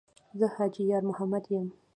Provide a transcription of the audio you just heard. ـ زه حاجي یارمحمد یم.